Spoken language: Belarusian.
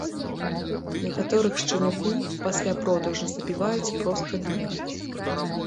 Некаторых шчанюкоў пасля продажу забіваюць проста на рынку.